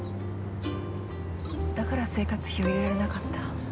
だから生活費を入れられなかった？